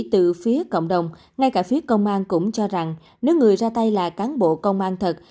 từ phía cộng đồng ngay cả phía công an cũng cho rằng nếu người ra tay là cán bộ công an thật